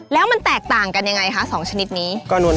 แล้วมันแตกต่างกันยังไงคะ๒ชนิดนี้